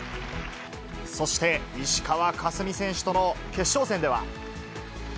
そして、石川佳純選手との決勝戦では。